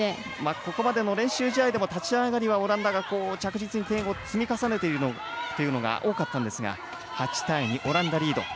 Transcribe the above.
ここまでの練習試合でも立ち上がりはオランダが着実に点を積み重ねているというのが多かったんですがオランダリード。